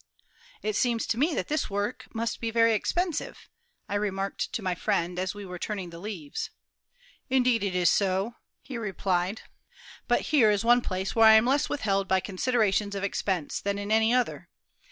"It seems to me that this work must be very expensive," I remarked to my friend, as we were turning the leaves. "Indeed it is so," he replied; "but here is one place where I am less withheld by considerations of expense than in any other.